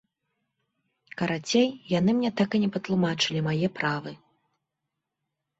Карацей, яны мне так і не патлумачылі мае правы.